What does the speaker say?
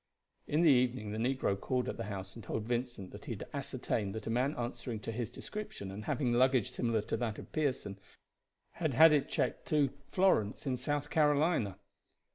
In the evening the negro called at the house and told Vincent that he had ascertained that a man answering to his description and having luggage similar to that of Pearson had had it checked to Florence in South Carolina.